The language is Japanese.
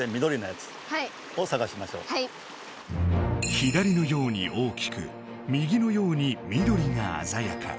左のように大きく右のように緑があざやか。